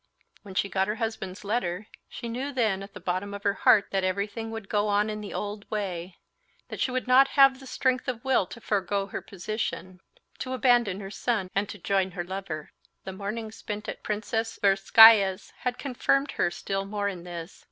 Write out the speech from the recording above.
When she got her husband's letter, she knew then at the bottom of her heart that everything would go on in the old way, that she would not have the strength of will to forego her position, to abandon her son, and to join her lover. The morning spent at Princess Tverskaya's had confirmed her still more in this.